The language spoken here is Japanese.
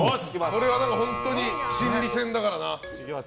これは本当に心理戦だからな。